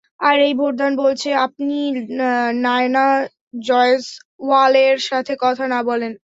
আর এই ভোটদান বলছে, আপনি নায়না জয়সওয়ালের সাথে কথা না বলেন।